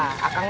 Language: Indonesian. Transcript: aku mah kangen